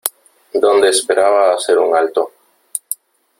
donde esperaba hacer un alto .